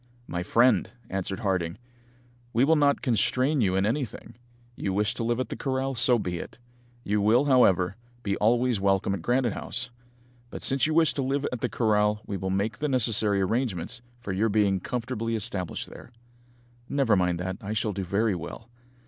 "My friend," answered Harding, "we will not constrain you in anything. You wish to live at the corral, so be it. You will, however, be always welcome at Granite House. But since you wish to live at the corral we will make the necessary arrangements for your being comfortably established there." "Never mind that, I shall do very well."